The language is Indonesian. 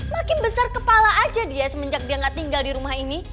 makin besar kepala aja dia semenjak dia nggak tinggal di rumah ini